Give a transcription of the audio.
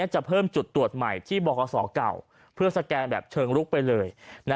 จะเพิ่มจุดตรวจใหม่ที่บขเก่าเพื่อสแกนแบบเชิงลุกไปเลย